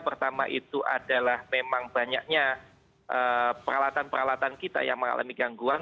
pertama itu adalah memang banyaknya peralatan peralatan kita yang mengalami gangguan